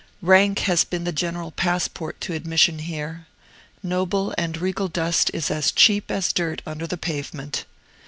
Rank has been the general passport to admission here. Noble and regal dust is as cheap as dirt under the pavement.